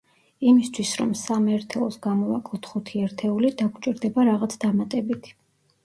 იმისთვის, რომ სამ ერთეულს გამოვაკლოთ ხუთი ერთეული დაგვჭირდება რაღაც დამატებითი.